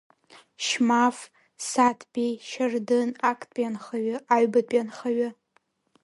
Шьмаф, Саҭбеи, Шьардын, Актәи анхаҩы, аҩбатәи анхаҩы.